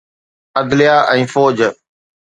عدليه ۽ فوج.